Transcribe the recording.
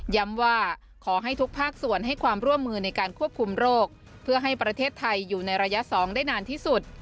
ว่าขอให้ทุกภาคส่วนให้ความร่วมมือในการควบคุมโรคเพื่อให้ประเทศไทยอยู่ในระยะ๒ได้นานที่สุด